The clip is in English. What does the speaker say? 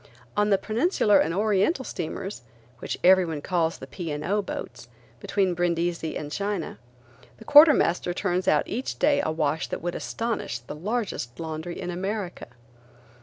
On the Peninsular and Oriental steamers–which everyone calls the P. & O. boats–between Brindisi and China, the quartermaster turns out each day a wash that would astonish the largest laundry in America.